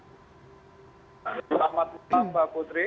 selamat malam pak putri